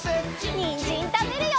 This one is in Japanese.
にんじんたべるよ！